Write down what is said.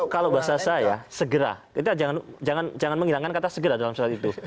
kalau bahasa saya segera kita jangan menghilangkan kata segera dalam surat itu